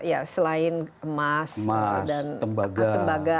ya selain emas dan tembaga